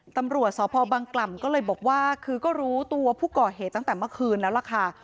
ตำรวจสพบังกล่ำก็เลยบอกว่าคือก็รู้ตัวผู้ก่อเหตุตั้งแต่เมื่อคืนแล้วล่ะค่ะ